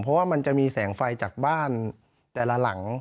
เพราะว่ามันจะมีแสงไฟจากบ้านแต่ละหลัง